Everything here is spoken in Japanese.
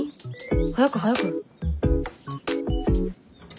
早く早く。